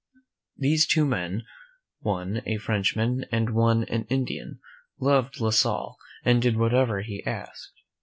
These two men, one a Frenchman and one an Indian, loved La Salle and did whatever he asked.